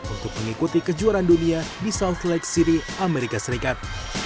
untuk mengikuti kejuaraan dunia di south lake city amerika serikat